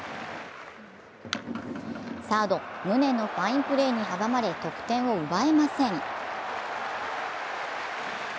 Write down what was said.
サード・宗のファインプレーに阻まれ、得点を奪えません。